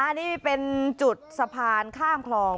อันนี้เป็นจุดสะพานข้ามคลอง